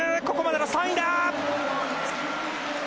ここまでは３位だ！